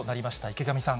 池上さん。